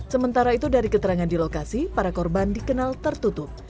sementara itu dari keterangan di lokasi para korban dikenal tertutup